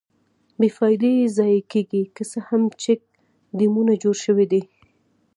بې فایدې ضایع کېږي، که څه هم چیک ډیمونه جوړ شویدي.